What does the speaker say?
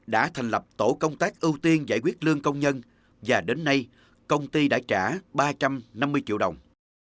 đã thành lập tổ công tác ưu tiên giải quyết lương công nhân và đến nay công ty đã trả ba trăm năm mươi triệu đồng